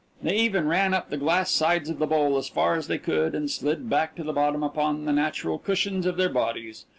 They even ran up the glass sides of the bowl as far as they could, and slid back to the bottom upon the natural cushions of their bodies.